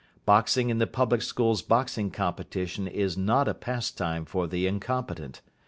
Boxing in the Public Schools Boxing Competition is not a pastime for the incompetent.